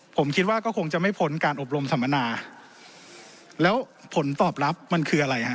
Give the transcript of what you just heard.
ผมคิดว่าก็คงจะไม่พ้นการอบรมสัมมนาแล้วผลตอบรับมันคืออะไรฮะ